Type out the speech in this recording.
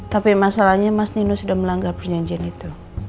tapi masalahnya mas nino sudah melanggar perjanjian itu